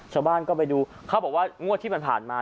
ชาวบ้านก็ไปดูเขาบอกว่างวดที่ผ่านมา